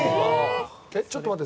ちょっと待って。